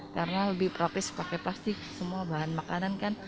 karena lebih praktis pakai plastik semua bahan makanan kan